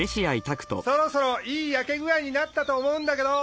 そろそろいい焼け具合になったと思うんだけど！